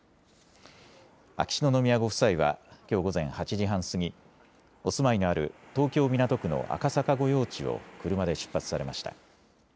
秋篠宮ご夫妻はきょう午前８時半過ぎ、お住まいのある東京港区の赤坂御用地を車で出発されました。